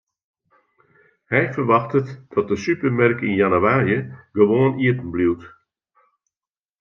Hy ferwachtet dat de supermerk yn jannewaarje gewoan iepenbliuwt.